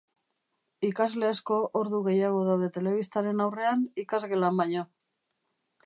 Ikasle asko ordu gehiago daude telebistaren aurrean ikasgelan baino.